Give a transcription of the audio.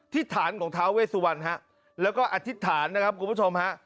ฐานของท้าเวสุวรรณฮะแล้วก็อธิษฐานนะครับคุณผู้ชมฮะ